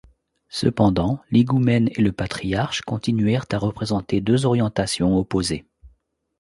Cependant l'higoumène et le patriarche continuèrent à représenter deux orientations opposées.